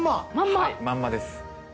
はいまんまです。